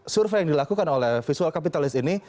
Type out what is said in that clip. survei yang dilakukan oleh visual capitalis ini